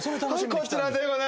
はいこちらでございます。